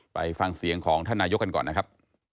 ไปฟังเสียงของท่านนายกกันก่อนนะครับ